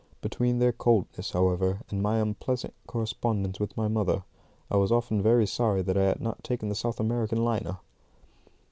Between their coldness, however, and my unpleasant correspondence with my mother, I was often very sorry that I had not taken the South American liner.